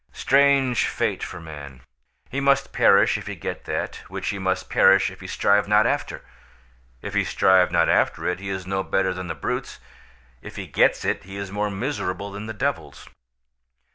Strange fate for man! He must perish if he get that, which he must perish if he strive not after. If he strive not after it he is no better than the brutes, if he get it he is more miserable than the devils.